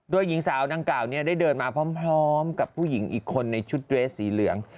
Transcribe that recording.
โดยหญิงสาวดังกล่าวได้เดินมาพร้อมกับผู้หญิงอีกคนในชุดเรสสีเหลือง